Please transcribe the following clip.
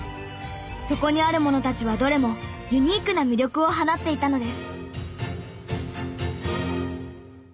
そこにあるものたちはどれもユニークな魅力を放っていたのです。